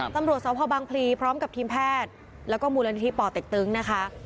ตำรวจสพบังพลีพร้อมกับทีมแพทย์แล้วก็มูลนิธิป่อเต็กตึงนะคะ